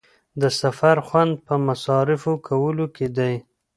د سفر خوند پر مصارفو کولو کې دی.